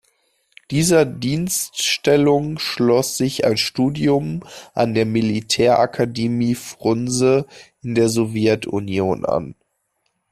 Dieser Dienststellung schloss sich ein Studium an der Militärakademie "Frunse" in der Sowjetunion an.